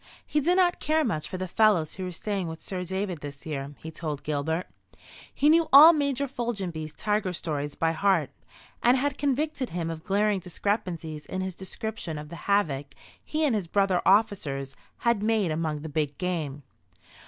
He did not care much for the fellows who were staying with Sir David this year, he told Gilbert. He knew all Major Foljambe's tiger stories by heart, and had convicted him of glaring discrepancies in his description of the havoc he and his brother officers had made among the big game.